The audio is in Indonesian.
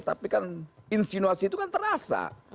tapi kan insinuasi itu kan terasa